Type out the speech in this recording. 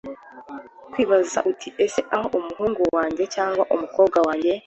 kwibaza uti ese aho umuhungu wanjye cyangwa umukobwa wanjye